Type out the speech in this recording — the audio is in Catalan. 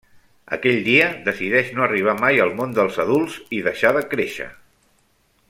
Aquell dia, decideix no arribar mai al món dels adults i deixar de créixer.